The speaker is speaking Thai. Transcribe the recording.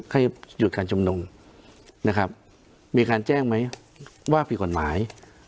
ให้หยุดการชุมนุมนะครับมีการแจ้งไหมว่าผิดกฎหมาย